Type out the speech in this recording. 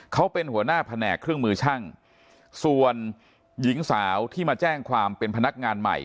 เขาเป็นหัวหน้าแผนกเครื่องมือช่างส่วนหญิงสาวที่มาแจ้งความเป็นพนักงานใหม่